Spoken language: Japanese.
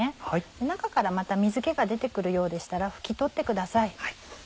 中からまた水気が出て来るようでしたら拭き取ってください。